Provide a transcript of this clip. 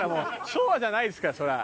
昭和じゃないですからそりゃ。